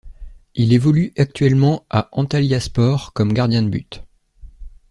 Il évolue actuellement à Antalyaspor comme gardien de but.